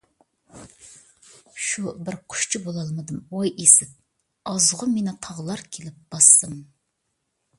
شۇ بىر قۇشچە بولالمىدىم ۋاي ئىسىت، ئازغۇ مېنى تاغلار كېلىپ باسسىمۇ.